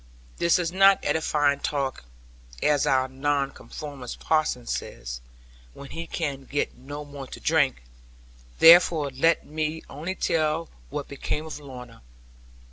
This is not edifying talk as our Nonconformist parson says, when he can get no more to drink therefore let me only tell what became of Lorna.